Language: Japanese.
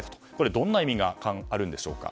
どんな意味があるんでしょうか。